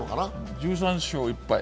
１３勝１敗。